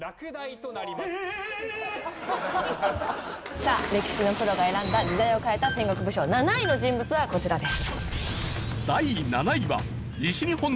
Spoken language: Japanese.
さあ歴史のプロが選んだ時代を変えた戦国武将７位の人物はこちらです。